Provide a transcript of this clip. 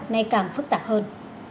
nay càng phức tạp hơn